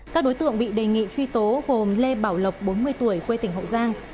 các đối tượng bị đề nghị truy tố gồm lê bảo lộc bốn mươi tuổi quê tỉnh hậu giang